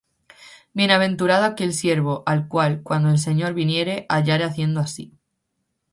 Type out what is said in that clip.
Bienaventurado aquel siervo, al cual, cuando el señor viniere, hallare haciendo así.